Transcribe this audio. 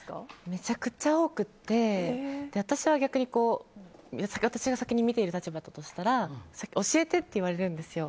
めちゃくちゃ多くて私は逆に、私が先に見ている立場だとしたら教えてって言われるんですよ。